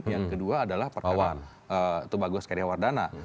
yang kedua adalah perkara tugas karyawardana